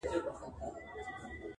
روښانه هدف انسان ته لوری ورکوي.